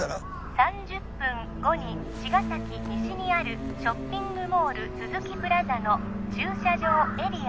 ３０分後に茅ヶ崎西にあるショッピングモール都築プラザの駐車場エリア